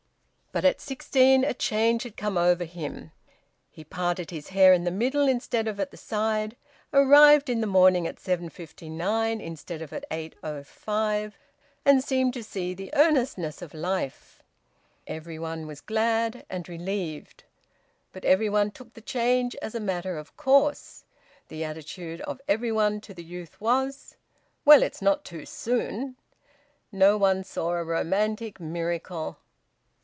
But at sixteen a change had come over him; he parted his hair in the middle instead of at the side, arrived in the morning at 7:59 instead of at 8:05, and seemed to see the earnestness of life. Every one was glad and relieved, but every one took the change as a matter of course; the attitude of every one to the youth was: "Well, it's not too soon!" No one saw a romantic miracle.